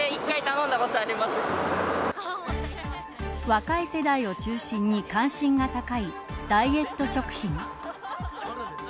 若い世代を中心に関心が高いダイエット食品。